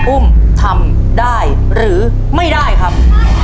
อุ้มทำได้หรือไม่ได้ครับ